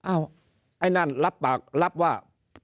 ไอ้นั่นรับปากรับว่า